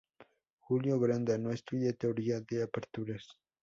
Julio Granda no estudia teoría de aperturas.